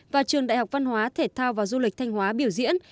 và trường đại học văn hóa thể thao và du lịch thanh hóa biểu diễn